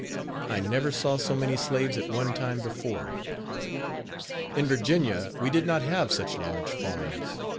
I never saw so many slaves at one time before. In Virginia we did not have such large farms.